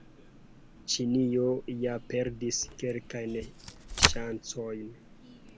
Ĉinio ja perdis kelkajn ŝancojn.